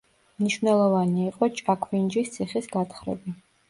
მნიშვნელოვანი იყო ჭაქვინჯის ციხის გათხრები.